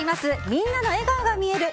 みんなの笑顔が見える！